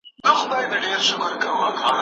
چې ژبه یې د واک وسیله ګڼله، نه د شرم بار.